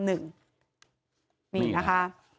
นี่นะคะ